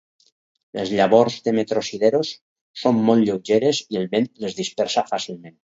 Les llavors de "metrosideros" són molt lleugeres i el vent les dispersa fàcilment.